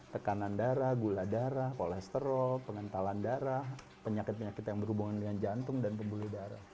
tekanan darah gula darah kolesterol pengentalan darah penyakit penyakit yang berhubungan dengan jantung dan pembuluh darah